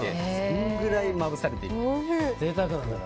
そのくらいまぶされてます。